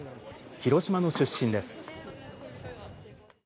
広島の出身です。